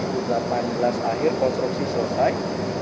target kita dua ribu delapan belas akhir konstruksi selesai